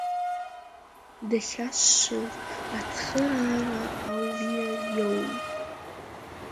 Дахьашшыз ацхыраара ауриа иоуит.